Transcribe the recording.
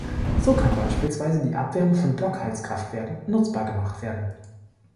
So kann beispielsweise die Abwärme von Blockheizkraftwerken nutzbar gemacht werden.